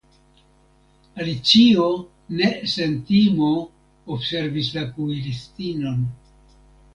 Alicio ne sen timo observis la kuiristinon.